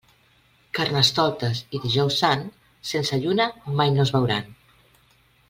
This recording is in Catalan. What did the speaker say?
Carnestoltes i Dijous Sant sense lluna mai no es veuran.